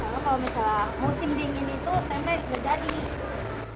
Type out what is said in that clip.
kalau misalnya musim dingin itu tempe udah jadi